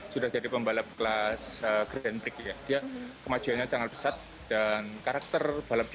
sudah jadi pembalap kelas grand prix dia kemajuannya sangat besar dan karakter balap